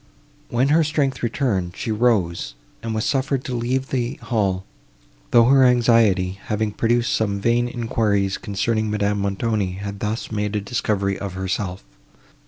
When her strength returned, she rose, and was suffered to leave the hall, though her anxiety, having produced some vain enquiries, concerning Madame Montoni, had thus made a discovery of herself.